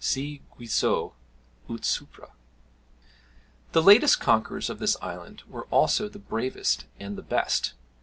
[See Guizot, UT SUPRA.] The latest conquerors of this island were also the bravest and the best.